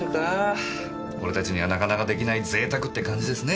俺たちにはなかなか出来ない贅沢って感じですね。